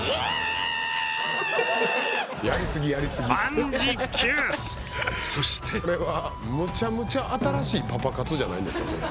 万事休すそしてこれはむちゃむちゃ新しいパパ活じゃないんですか？